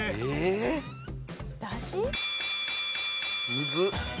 むずっ！